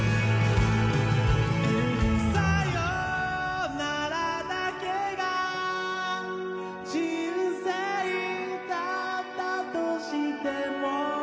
「さよならだけが人生だったとしても」